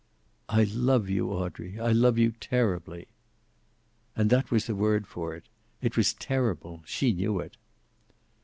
"I love you, Audrey. I love you terribly." And that was the word for it. It was terrible. She knew it.